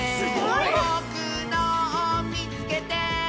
「ぼくのをみつけて！」